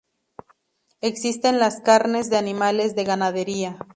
Existen las carnes de animales de ganadería.